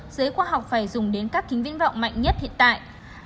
giới khoa học phải dùng đến các kính viễn vọng mạnh nhất hiện tại